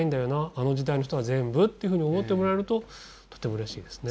あの時代の人は全部」というふうに思ってもらえるととてもうれしいですね。